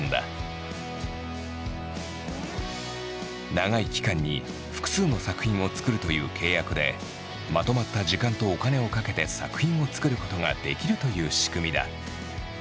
長い期間に複数の作品を作るという契約でまとまった時間とお金をかけて作品を作ることができるという仕組みだ。